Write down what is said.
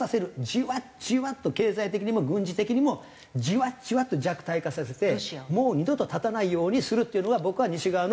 じわっじわっと経済的にも軍事的にもじわっじわっと弱体化させてもう二度と立たないようにするっていうのが僕は西側の目的。